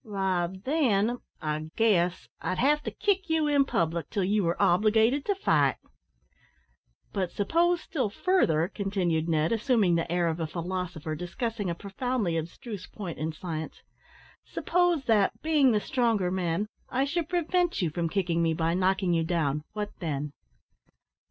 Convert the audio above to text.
"Why, then, I guess, I'd have to kick you in public till you were obligated to fight." "But suppose still further," continued Ned, assuming the air of a philosopher discussing a profoundly abstruse point in science "suppose that, being the stronger man, I should prevent you from kicking me by knocking you down, what then?"